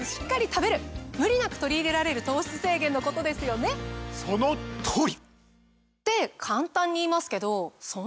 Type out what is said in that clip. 無理なく取り入れられる糖質制限のことですよね？って簡単に言いますけど。あります？